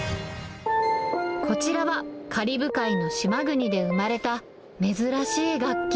こちらは、カリブ海の島国で生まれた、珍しい楽器。